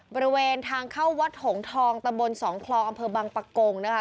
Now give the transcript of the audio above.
บริเวณทางเข้าวัดหงทองตะบนสองคลองอำเภอบังปะโกงนะคะ